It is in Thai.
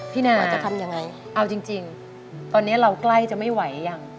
พี่นาจะทำยังไงเอาจริงจริงตอนเนี้ยเราใกล้จะไม่ไหวหรือยัง